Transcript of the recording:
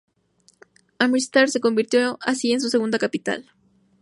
Amritsar se convirtió así en su segunda capital.